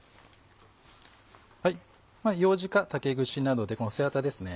ようじか竹串などでこの背ワタですね。